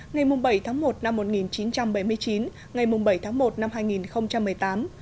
ngày bảy tháng một năm một nghìn chín trăm bảy mươi chín ngày bảy tháng một năm hai nghìn một mươi tám